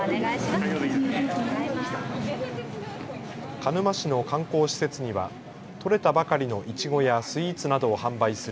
鹿沼市の観光施設には取れたばかりのいちごやスイーツなどを販売する